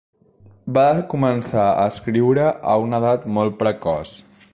Va començar a escriure a una edat molt precoç.